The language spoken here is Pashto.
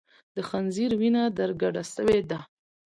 د خنځیر وینه در کډه سوې ده